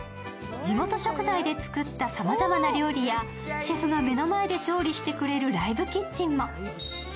地元食材で作ったさまざまな料理屋、シェフが目の前で調理してくれるライブキッチンも。